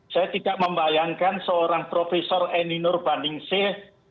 saya tidak membayangkan seorang profesor eni nur bandingsih